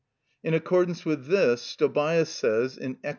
In accordance with this, Stobæus says (Ecl.